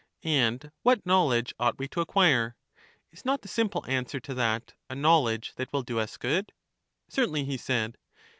And what knowledge ought we to acquire? Is not the simple answer to that, A knowledge that will do us good? Certainly, he said.